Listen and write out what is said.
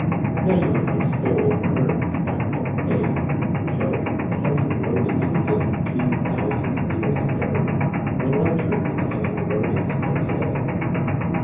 Measurements of skulls unearthed at Pompeii showed that the heads of the Romans who lived two thousand years ago were larger than the heads of the Romans of to day.